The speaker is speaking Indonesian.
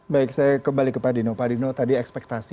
baik saya kembali ke pak dino pak dino tadi ekspektasi